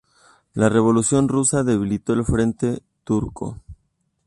La Revolución rusa debilitó el frente turco.